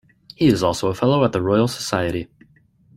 He is also a fellow at the Royal Society.